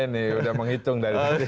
pak sandri sudah menghitung dari tadi